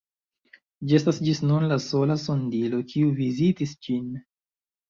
Ĝi estas ĝis nun la sola sondilo, kiu vizitis ĝin.